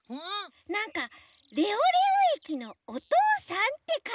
なんか「レオレオえきのおとうさん」ってかんじじゃない？